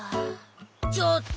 ちょっと！